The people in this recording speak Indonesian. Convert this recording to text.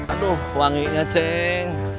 aduh wanginya ceng